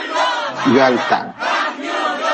Gwalta.